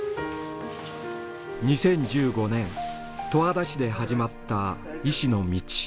２０１５年十和田市で始まった医師の道。